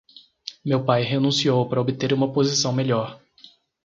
Meu pai renunciou para obter uma posição melhor.